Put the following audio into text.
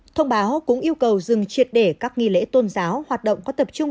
thông báo cũng yêu cầu dừng triệt để các nghi lễ tôn giáo hoạt động có tập trung